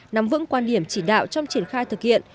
nắm vững quan điểm chỉ đạo trong triển khai thực hiện